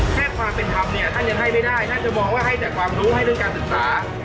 แค่ความเป็นธรรมเนี่ยท่านยังให้ไม่ได้ท่านจะมองว่าให้แต่ความรู้ให้เรื่องการศึกษา